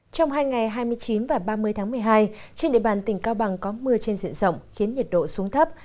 trong hai ngày hai mươi chín và ba mươi tháng một mươi hai trên địa bàn tỉnh cao bằng có mưa trên diện rộng khiến nhiệt độ xuống thấp